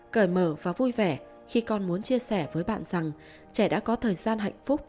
cởi mở và vui vẻ khi con muốn chia sẻ với bạn rằng trẻ đã có thời gian hạnh phúc